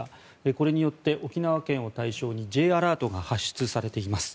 これによって沖縄県を対象にＪアラートが発出されています。